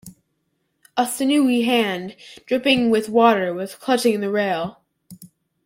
A sinewy hand, dripping with water, was clutching the rail.